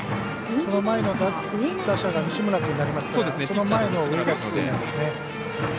その前の打者が西村君になりますからその前の植垣君ですね。